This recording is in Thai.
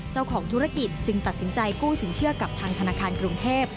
เจ้าของธุรกิจจึงตัดสินใจกู้สินเชื่อกับทางธนาคารกรุงเทพ